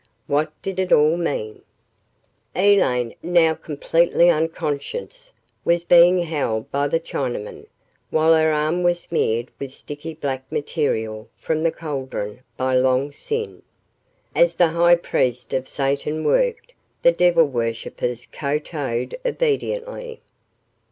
What did it all mean? ........ Elaine, now completely unconscious, was being held by the Chinamen, while her arm was smeared with sticky black material from the cauldron by Long Sin. As the high priest of Satan worked, the devil worshippers kowtowed obediently.